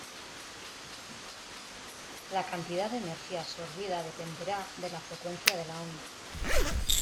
La cantidad de energía absorbida dependerá de la frecuencia de la onda.